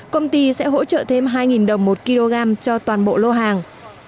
công ty sẽ hỗ trợ thêm hai đồng một kg cho toàn bộ lô hàng